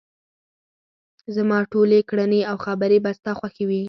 زما ټولې کړنې او خبرې به ستا خوښې وي.